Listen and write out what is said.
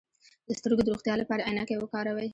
د سترګو د روغتیا لپاره عینکې وکاروئ